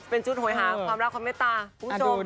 เป็นชุดหวยหาความรักความเมตตาคุณผู้ชม